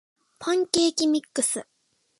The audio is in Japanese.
パンケーキミックス